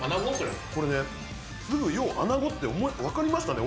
これね、すぐようアナゴって分かりましたね。